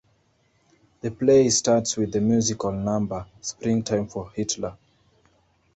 The play starts with the musical number, Springtime for Hitler.